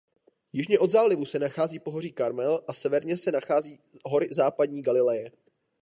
Jižně od zálivu se nachází pohoří Karmel a severně se nachází hory západní Galileje.